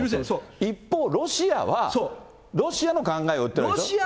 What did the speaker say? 一方、ロシアは、ロシアの考えを言ってるわけでしょ？